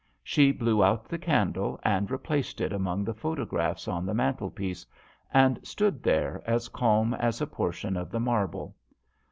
She blew out the candle, and replaced it among the photographs on the mantle piece, and stood there as calm as a portion of the marble.